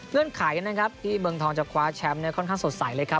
เนื่องขายกันนะครับที่เมืองทองจะคว้าแชมป์เนี่ยค่อนข้างสดใสเลยครับ